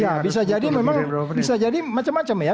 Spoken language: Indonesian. ya bisa jadi memang bisa jadi macam macam ya